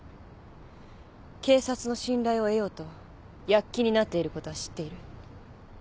警察の信頼を得ようと躍起になっていることは知っている。